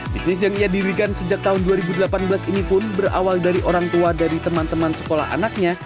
bisnis yang ia dirikan sejak tahun dua ribu delapan belas ini pun berawal dari orang tua dari teman teman sekolah anaknya